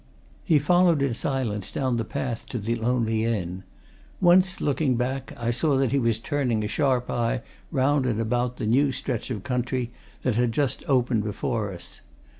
He followed in silence down the path to the lonely inn; once, looking back, I saw that he was turning a sharp eye round and about the new stretch of country that had just opened before us.